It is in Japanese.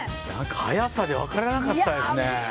速さで分からなかったですね。